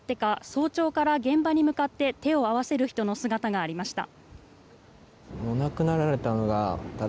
早朝から現場に向かって手を合わせる人の姿がありました。